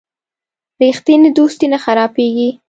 رښتینی دوستي نه خرابیږي.